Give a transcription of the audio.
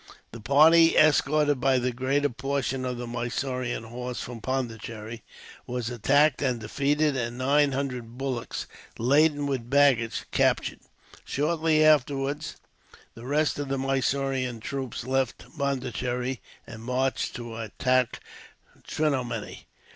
This party, escorted by the greater portion of the Mysorean horse from Pondicherry, was attacked and defeated, and nine hundred bullocks, laden with baggage, captured. Shortly afterwards the rest of the Mysorean troops left Pondicherry, and marched to attack Trinomany.